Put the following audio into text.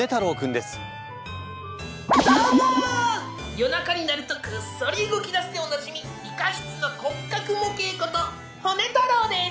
夜中になるとこっそり動きだすでおなじみ理科室の骨格模型ことホネ太郎です。